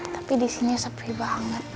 tapi disini sepri banget